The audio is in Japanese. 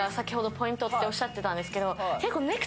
ポイントっておっしゃってたんですけどだよね